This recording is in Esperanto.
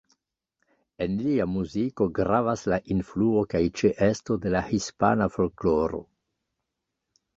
En lia muziko gravas la influo kaj ĉeesto de la hispana folkloro.